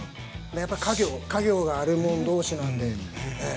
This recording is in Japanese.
やっぱ家業があるもん同士なんでええ。